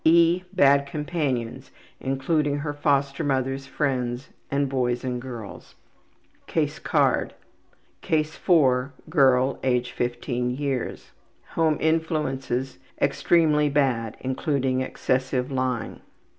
(e) Bad companions, including her foster mother's friends, and boys and girls. Mental Conflict. Case 4. Girl, age 15 yrs. Home influences: Extremely bad, including excessive lying.